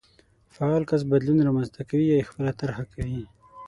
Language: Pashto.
فعال کس بدلون رامنځته کوي يا يې خپله طرحه کوي.